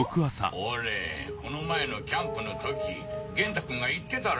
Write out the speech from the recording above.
ほれこの前のキャンプの時元太くんが言ってたろう。